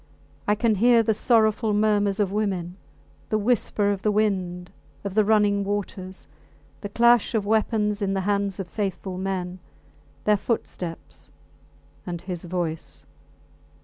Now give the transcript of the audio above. I can hear the sorrowful murmurs of women, the whisper of the wind, of the running waters; the clash of weapons in the hands of faithful men, their footsteps and his voice!